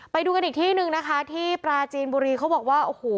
ไปดูกันอีกที่หนึ่งนะคะที่ปราจีนบุรีเขาบอกว่าโอ้โห